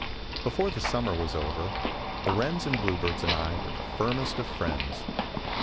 Before the summer was over the wrens and bluebirds and I were the firmest of friends.